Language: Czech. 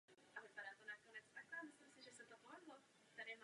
Mám na mysli například Středozemí nebo Střední Asii.